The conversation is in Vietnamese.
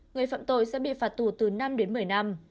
người phạm tội sẽ bị phạt tù từ năm đến một mươi năm